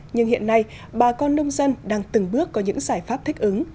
nhưng hiện nay bà con nông dân đang từng bước có những giải pháp thích ứng